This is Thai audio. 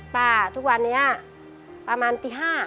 ทุกวันนี้ประมาณตี๕